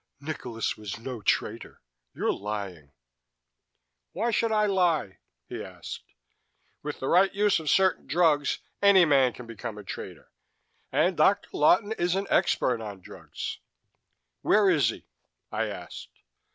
"Nikolas was no traitor. You're lying!" "Why should I lie?" he asked. "With the right use of certain drugs, any man can become a traitor. And Dr. Lawton is an expert on drugs." "Where is he?" I asked.